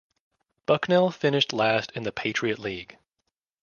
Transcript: Bucknell finished last in the Patriot League.